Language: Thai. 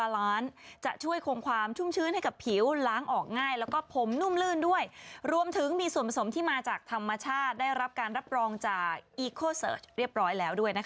แล้วก็อีโคเซิร์ชเรียบร้อยแล้วด้วย